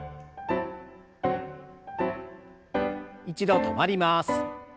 一度止まります。